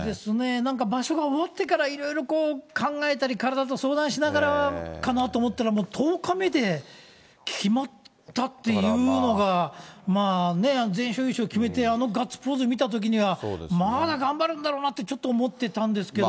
なんか場所が終わってからいろいろ考えたり、体と相談しながらかなと思ったら、もう１０日目で決まったっていうのが、全勝優勝決めて、あのガッツポーズ見たときには、まだ頑張るんだろうなって、ちょっと思ってたんですけど。